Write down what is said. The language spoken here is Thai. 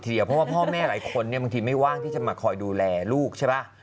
เพราะว่าพ่อแม่หลายคนเนี่ยบางทีไม่ว่างที่จะมาคอยดูแลลูกใช่ป่ะ